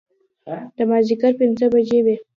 د مازدیګر پنځه بجې وې.